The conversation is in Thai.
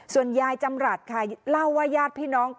ส่วนยายจำรัฐค่ะเล่าว่าญาติพี่น้อง